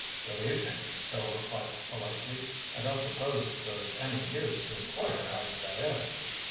"Good evening," Bill replied politely. "I don't suppose it's of any use to inquire how you got in?"